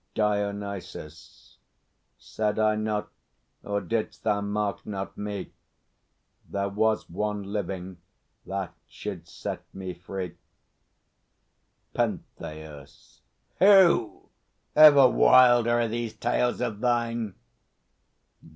DIONYSUS. Said I not, or didst thou mark not me, There was One living that should set me free? PENTHEUS. Who? Ever wilder are these tales of thine.